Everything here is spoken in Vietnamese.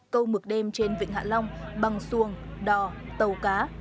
câu mực đêm trên vịnh hạ long bằng xuồng đò tàu cá